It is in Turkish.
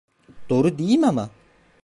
Doğru değil mi ama?